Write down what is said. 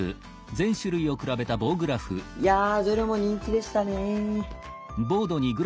いやどれも人気でしたね。